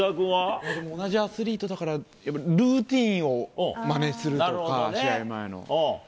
同じアスリートだから、やっぱりルーティンをまねするとか、試合前の。